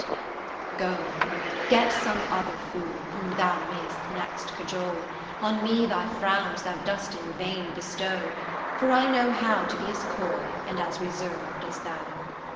575 ) Katherine Phiiips Go, get some other fool, Whom thou mayst next cajole : On me thy frowns thou dost in vain bestow ; For I know how To be as coy and as reserved ' as thou.